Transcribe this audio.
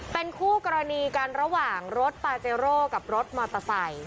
เป็นคู่กรณีกันระหว่างรถปาเจโร่กับรถมอเตอร์ไซค์